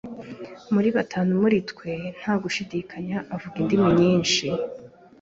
Muri batanu muri twe, nta gushidikanya, avuga indimi nyinshi.